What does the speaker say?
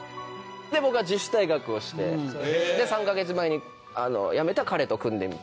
僕は自主退学をして３カ月前にやめた彼と組んでみたいな。